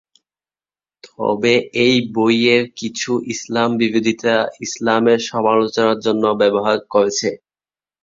তবে এই বইয়ের কিছু ইসলাম বিরোধিতা ইসলামের সমালোচনার জন্য ব্যবহার করছে।